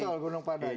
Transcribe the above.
betul gunung padang ya